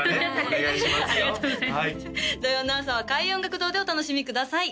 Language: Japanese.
土曜の朝は開運音楽堂でお楽しみください